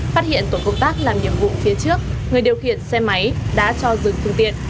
phát hiện tổ công tác làm nhiệm vụ phía trước người điều khiển xe máy đã cho dừng phương tiện